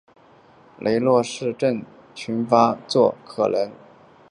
雷诺氏症候群的发作可能被寒冷或是情绪压力所诱发。